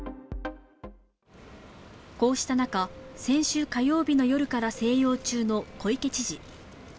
こうした中、先週火曜日の夜から静養中の小池知事。